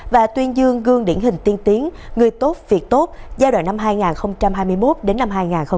và tuyên dương gương điển hình tiên tiến người tốt việc tốt giai đoạn năm hai nghìn hai mươi một đến năm hai nghìn hai mươi năm